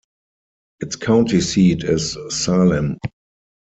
Its county seat is Salem.